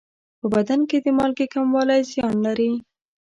په بدن کې د مالګې کموالی زیان لري.